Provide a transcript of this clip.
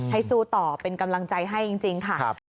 สู้ต่อเป็นกำลังใจให้จริงค่ะ